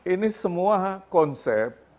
ini semua konsep